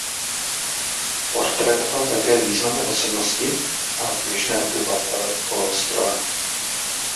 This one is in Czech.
Portrétoval také významné osobnosti a běžné obyvatele poloostrova.